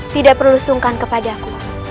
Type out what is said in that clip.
tidak perlu sungkan kepadaku